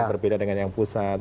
berbeda dengan yang pusat